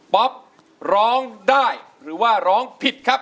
ป๊อปร้องได้หรือว่าร้องผิดครับ